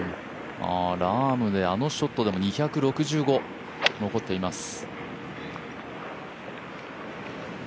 ラームであのショットでも２６５残っています。